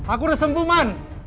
aku udah sembuh man